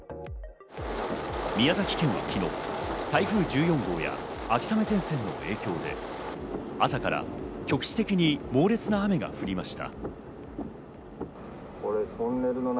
宮崎県は昨日、台風１４号や秋雨前線の影響で朝から局地的に猛烈な雨が降りました。